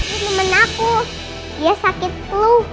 ini temen aku dia sakit peluh